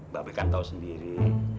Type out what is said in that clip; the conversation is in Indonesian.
mbak bekanto sendiri